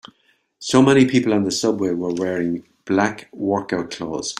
So many people on the subway are wearing black workout clothes.